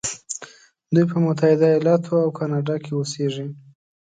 دوی په متحده ایلاتو او کانادا کې اوسیږي.